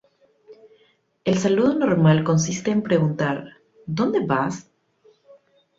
El saludo normal consiste en preguntar: "¿Dónde vas?